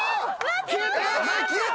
消えた！